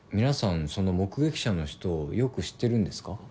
皆さんその目撃者の人をよく知ってるんですか？